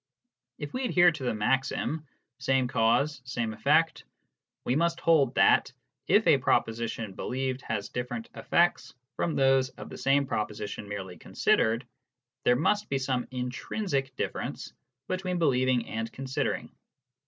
If we adhere to the maxim " same cause, same effect," we must hold that, if a proposition believed has different effects from those of the same proposition merely considered, there must be some intrinsic difference between believing and considering.